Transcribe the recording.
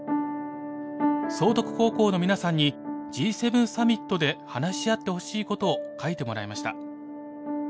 崇徳高校の皆さんにＧ７サミットで話し合ってほしいことを書いてもらいました。